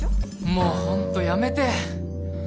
もうホントやめて。